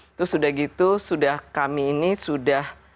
itu sudah gitu sudah kami ini sudah